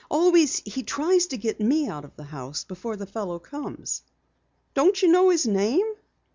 Always he tries to get me out of the house before the fellow comes." "Don't you know his name?"